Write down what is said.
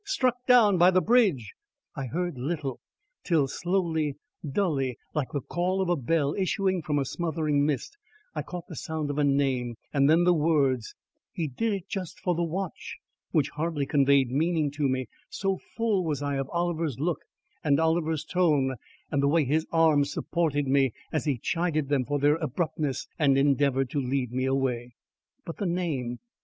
STRUCK DOWN BY THE BRIDGE! I heard little, till slowly, dully like the call of a bell issuing from a smothering mist, I caught the sound of a name and then the words, "He did it just for the watch;" which hardly conveyed meaning to me, so full was I of Oliver's look and Oliver's tone and the way his arm supported me as he chided them for their abruptness and endeavoured to lead me away. But the name!